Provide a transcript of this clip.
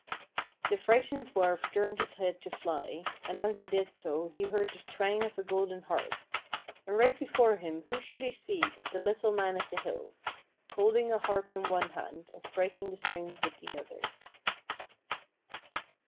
The frightened dwarf turned his head to fly, and as he did so he heard the twang of a golden harp, and right before him who should he see but the PRINCESS AND DWARF 161 little man of the hills, holding a harp in one hand and striking the strings with the other.